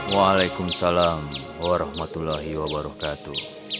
waalaikumsalam warahmatullahi wabarakatuh